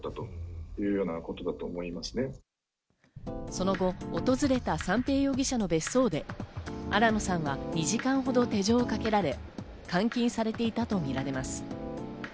その後、訪れた三瓶容疑者の別荘で新野さんは２時間ほど手錠をかけられ、監禁されていたとみられます。